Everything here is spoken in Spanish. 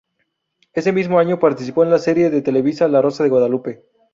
Ese mismo año participó en la serie de Televisa "La rosa de Guadalupe".